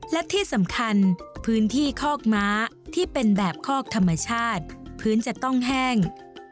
และที่สำคัญพื้นที่คอกม้าที่เป็นแบบคอกธรรมชาติพื้นจะต้องแห้ง